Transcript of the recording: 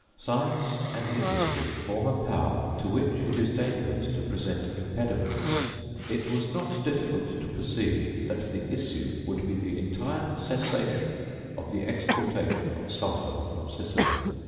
Science and industry form a power to which it is dangerous to present impediments. It was not difficult to perceive that the issue would be the entire cessation of the exportation of sulphur from Sicily.